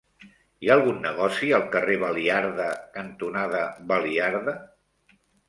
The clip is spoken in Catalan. Hi ha algun negoci al carrer Baliarda cantonada Baliarda?